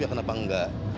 ya kenapa enggak